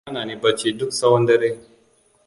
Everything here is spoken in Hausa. Tashin hankali ya hana ni bacci duk tsahon dare.